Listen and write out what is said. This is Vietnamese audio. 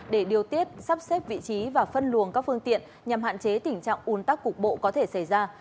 để điều tiết sắp xếp vị trí và phân luồng các phương tiện nhằm hạn chế tình trạng un tắc cục bộ có thể xảy ra